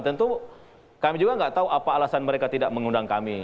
tentu kami juga tidak tahu apa alasan mereka tidak mengundang kami